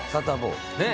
ねえ。